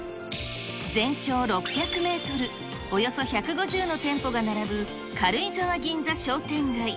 全長６００メートル、およそ１５０の店舗が並ぶ軽井沢銀座商店街。